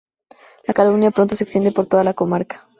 La calumnia pronto se extiende por toda la comarca.